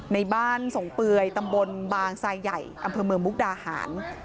ในบ้านส่งเปื่อยตำบลบางทรายใหญ่อำเภอเมืองมุกดาหาร